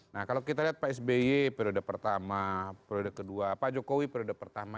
nah kalau kita lihat pak sby periode pertama periode kedua pak jokowi periode pertama